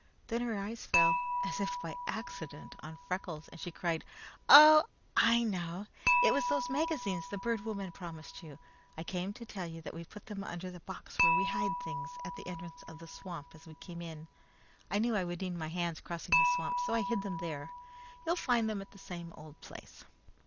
Then her eyes fell, as if by accident, on Freckles, and she cried, "Oh, I know now! It was those magazines the Bird Woman promised you. I came to tell you that we put them under the box where we hide things, at the entrance to the swamp as we came in. I knew I would need my hands crossing the swamp, so I hid them there. You'll find them at the same old place."